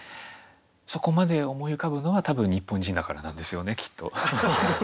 そこまで思い浮かぶのは多分日本人だからなんですよねきっと。